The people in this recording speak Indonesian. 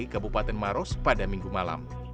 kabupaten maros pada minggu malam